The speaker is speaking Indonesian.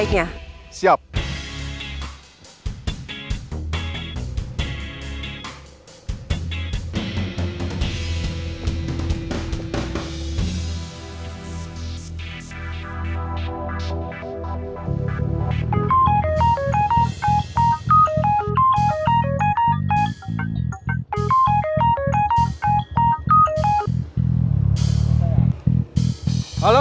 tim saya sedang bergerak